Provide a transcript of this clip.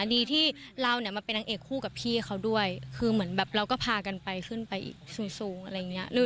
ดีที่เราเนี่ยมาเป็นนางเอกคู่กับพี่เขาด้วยคือเหมือนแบบเราก็พากันไปขึ้นไปอีกสูงอะไรอย่างนี้